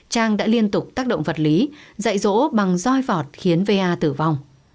trang đã liên tục tác động vật lý dạy rỗ bằng roi vọt khiến va tử vong